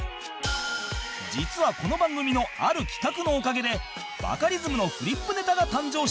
実はこの番組のある企画のおかげでバカリズムのフリップネタが誕生したという